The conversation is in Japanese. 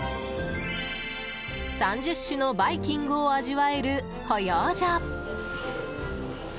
３０種のバイキングを味わえる保養所。